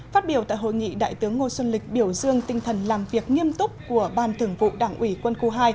phát biểu tại hội nghị đại tướng ngô xuân lịch biểu dương tinh thần làm việc nghiêm túc của ban thường vụ đảng ủy quân khu hai